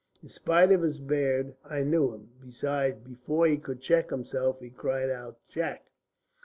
In spite of his beard I knew him. Besides, before he could check himself, he cried out 'Jack!'"